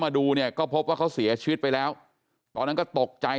มาดูเนี่ยก็พบว่าเขาเสียชีวิตไปแล้วตอนนั้นก็ตกใจ